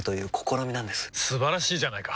素晴らしいじゃないか！